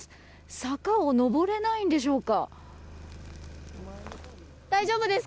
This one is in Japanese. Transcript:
坂を上れないんでしょうか。